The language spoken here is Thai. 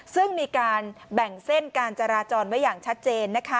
ซึ่งมีการแบ่งเส้นการจราจรไว้อย่างชัดเจนนะคะ